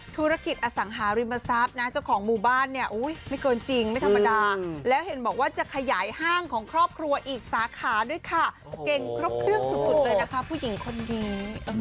ธุรกิจอสังหาริมทรัพย์นะเจ้าของหมู่บ้านเนี่ยไม่เกินจริงไม่ธรรมดาแล้วเห็นบอกว่าจะขยายห้างของครอบครัวอีกสาขาด้วยค่ะเก่งครบเครื่องสุดเลยนะคะผู้หญิงคนนี้